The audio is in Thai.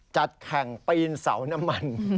จัดแข่งปีนเสาน้ำมัน